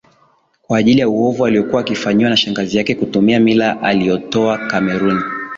kwa ajili ya uovu aliokuwa akifanyiwa na shangazi yake kutumia mila aliotoa Kameruni